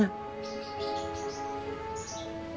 saya harus dimana